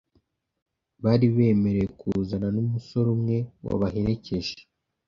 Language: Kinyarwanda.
bari bemerewe kuzana n’umusore umwe wabaherekeje